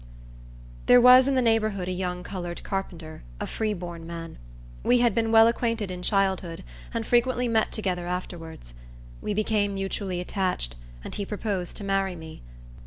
There was in the neighborhood a young colored carpenter; a free born man. We had been well acquainted in childhood, and frequently met together afterwards. We became mutually attached, and he proposed to marry me.